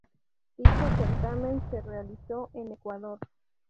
Dicho certamen se realizó en Ecuador.